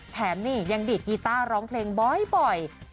แถมนี่ยังดีดกีต้าร้องเพลงบ่อย